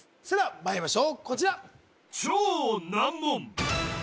それではまいりましょうこちら